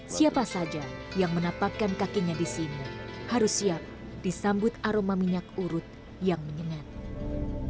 siapa saja yang menapakkan kakinya di sini harus siap disambut aroma minyak urut yang menyengat